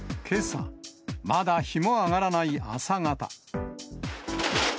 けさ、まだ日も上がらない朝方。